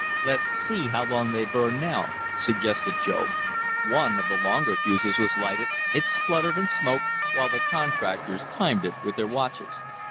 "Let's see how long they burn now," suggested Job. One of the longer fuses was lighted. It spluttered and smoked, while the contractors timed it with their watches.